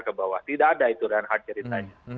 ke bawah tidak ada itu dengan hard ceritanya